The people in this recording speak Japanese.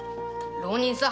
浪人さ。